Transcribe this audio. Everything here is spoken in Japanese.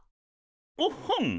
おっほん！